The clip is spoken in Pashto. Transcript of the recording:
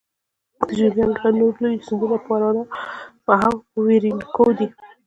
د جنوبي امریکا نور لوی سیندونه پارانا او اورینوکو دي.